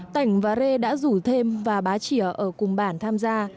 tành và rê đã rủ thêm và bá chỉa ở cùng bản tham gia